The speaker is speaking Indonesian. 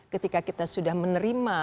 ketika kita sudah menerima